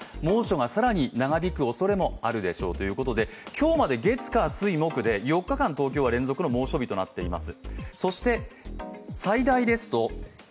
今日まで月・火・水・木、４日間で連続の猛暑日となっています。